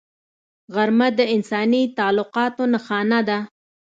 غرمه د انساني تعلقاتو نښانه ده